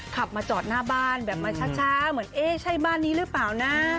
ขับมาจอดหน้าบ้านแบบมาช้าเหมือนเอ๊ะใช่บ้านนี้หรือเปล่านะ